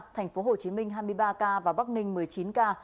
tp hcm hai mươi ba ca và bắc ninh một mươi chín ca